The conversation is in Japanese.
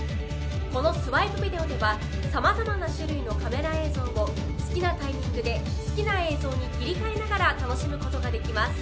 このＳｗｉｐｅＶｉｄｅｏでは様々な種類のカメラ映像を好きなタイミングで好きな映像に切り替えながら楽しむ事ができます。